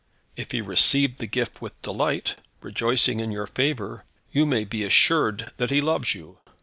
If he receive the gift with delight, rejoicing in your favour, you may be assured that he loves you.